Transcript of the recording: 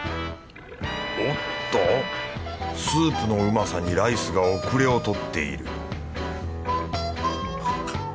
おっとスープのうまさにライスが遅れをとっている